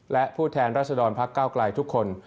และผู้แทนรัศดรพักเก้าไกลทุกคน